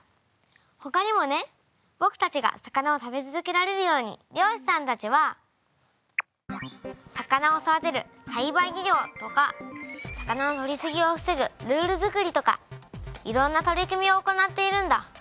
ほかにもねぼくたちが魚を食べ続けられるように漁師さんたちは魚を育てる「さいばい漁業」とか魚のとりすぎを防ぐルールづくりとかいろんな取り組みを行っているんだ。